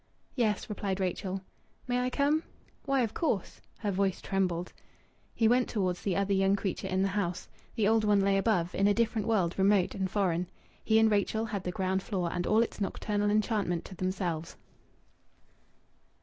"Yes," replied Rachel. "May I come?" "Why, of course!" Her voice trembled. He went towards the other young creature in the house. The old one lay above, in a different world remote and foreign. He and Rachel had the ground floor and all its nocturnal enchantment to themselves.